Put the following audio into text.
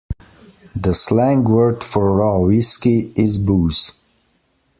The slang word for raw whiskey is booze.